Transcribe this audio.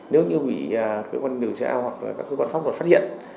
nếu như bị cơ quan điều tra hoặc là các cơ quan pháp luật phát hiện